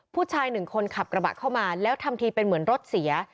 ผู้ชายหนึ่งคนขับกระบะเข้ามาแล้วทำทีเป็นเหมือนรถเสีย